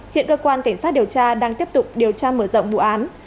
hiện cơ quan cảnh sát điều tra đang tiếp tục điều tra mở rộng vụ án